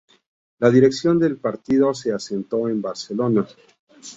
La dirección del partido se asentó en Barcelona.